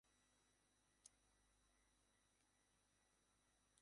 একটু আড়াআড়ি দৌড়ে বক্সের সামান্য বাইরে থেকে জোরালো শটে করেন গোলটি।